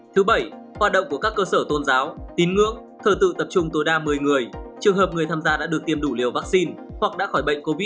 thứ bảy hoạt động của các cơ sở tôn giáo tín ngưỡng thờ tự tập trung tối đa một mươi người